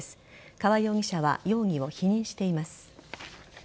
河合容疑者は容疑を否認しています。